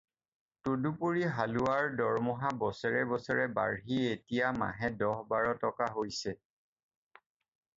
তদুপৰি হালোৱাৰ দৰমহা বছৰে বছৰে বাঢ়ি এতিয়া মাহে দহ বাৰ টকা হৈছে।